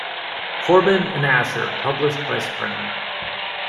Korbin and Asher, published by Springer.